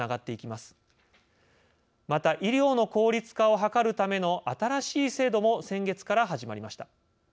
また医療の効率化を図るための新しい制度も先月から始まりました。